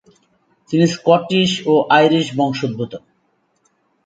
তিনি স্কটিশ ও আইরিশ বংশোদ্ভূত।